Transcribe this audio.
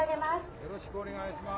よろしくお願いします。